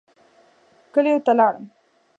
کلیو ته لاړم.